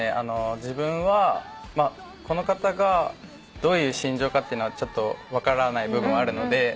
自分はこの方がどういう心情かって分からない部分はあるので。